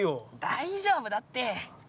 大丈夫だって。